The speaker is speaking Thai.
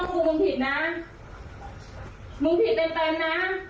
ก็เลยจัดการว่าไม่ผิดนะมุมผิดเต็มนะ